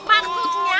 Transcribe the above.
apaan yang mau dijelasin